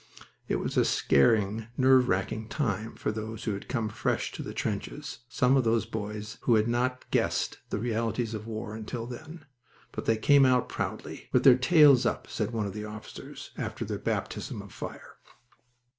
It was a scaring, nerve racking time for those who had come fresh to the trenches, some of those boys who had not guessed the realities of war until then. But they came out proudly "with their tails up," said one of their officers after their baptism of fire.